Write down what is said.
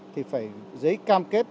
thì phải giấy cam kết